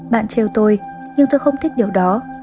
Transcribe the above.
bạn treo tôi nhưng tôi không thích điều đó